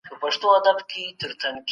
د سهار هوا ډېره تازه او پاکه وي.